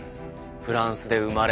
フランスで生まれ